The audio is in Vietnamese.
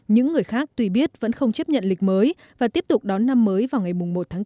những người khác tuy biết vẫn không chấp nhận lịch mới và tiếp tục đón năm mới vào ngày một tháng bốn